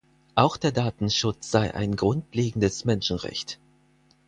Auch der Datenschutz sei ein grundlegendes Menschenrecht.